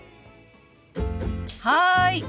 はい。